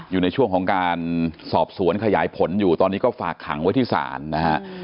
อยู่ในช่วงของการสอบสวนขยายผลอยู่ตอนนี้ก็ฝากขังไว้ที่ศาลนะฮะ